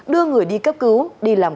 đưa người đi cấp cứu đi làm